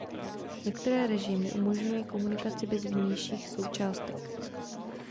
Některé režimy umožňují komunikaci bez vnějších součástek.